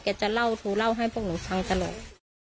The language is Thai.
เก๊จะเล่าทูเล่าให้พวกหนูทางตลอด